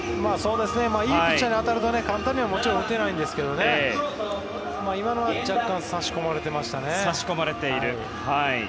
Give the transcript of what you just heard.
いいピッチャーに当たると簡単には打てないんですけど今のは若干差し込まれてましたね。